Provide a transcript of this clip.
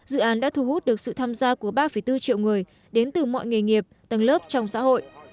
dự án đã thu hút được sự tham gia của ba bốn triệu người đến từ mọi nghề nghiệp tầng lớp trong xã hội